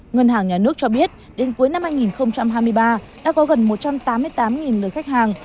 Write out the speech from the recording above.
ngân hàng nhà nước cho biết đến cuối năm hai nghìn hai mươi ba đã có gần một trăm tám mươi tám người khách hàng